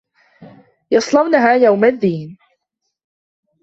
يَصلَونَها يَومَ الدّينِ